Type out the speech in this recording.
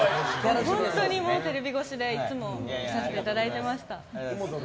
本当にテレビ越しで、いつも見させていただいていました。